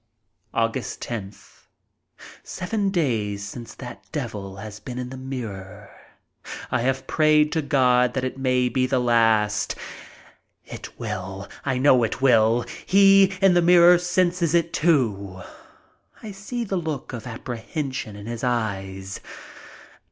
Aug. 10th. Seven days since that devil has been in the mirror. I have prayed to God that it may be the last. It will! I know it will! He, in the mirror, senses it too. I see the look of apprehension in his eyes.